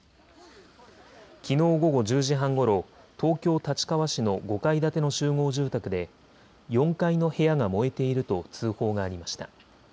きのう午後１０時半ごろ、東京立川市の５階建ての集合住宅で４階の部屋が燃えていると通報がありました。